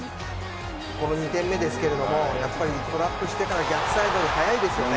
この２点目ですけれどもトラップしてから逆サイドに速いですよね。